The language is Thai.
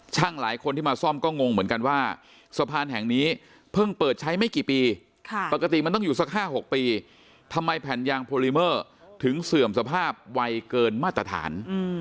หลายคนที่มาซ่อมก็งงเหมือนกันว่าสะพานแห่งนี้เพิ่งเปิดใช้ไม่กี่ปีปกติมันต้องอยู่สัก๕๖ปีทำไมแผ่นยางโพลิเมอร์ถึงเสื่อมสภาพไวเกินมาตรฐาน